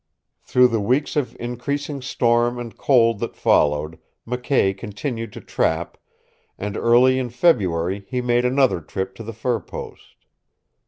Through the weeks of increasing storm and cold that followed, McKay continued to trap, and early in February he made another trip to the fur post.